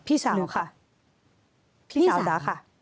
พี่สาวค่ะพี่สาวจ๋าค่ะ